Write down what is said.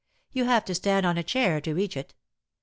You have to stand on a chair to reach it.